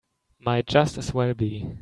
Might just as well be.